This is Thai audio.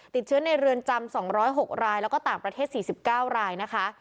ติดเชื้อในเรือนจำ๒๐๖รายแล้วก็ต่างประเทศ๔๙รายนะคะ